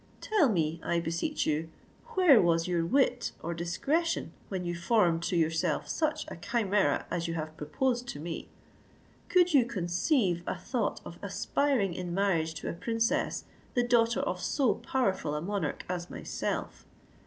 Tell me, I beseech you, where was your wit or discretion, when you formed to yourself such a chimera as you have proposed to me? Could you conceive a thought of aspiring in marriage to a princess, the daughter of so powerful a monarch as myself?